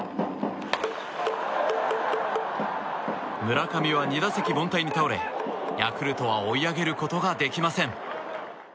村上は２打席凡退に倒れヤクルトは追い上げることができません。